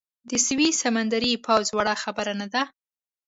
د سویس سمندري پوځ وړه خبره نه ده.